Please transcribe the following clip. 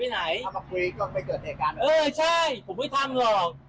เออใช่ผมไม่ทำหรอก